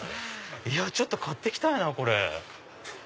ちょっと買って行きたいなこれ。